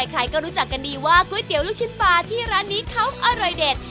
ใครก็รู้จักกันดีว่าก๋วยเตี๋ยวลูกชิ้นปลาที่ร้านนี้เขาอร่อยเด็ด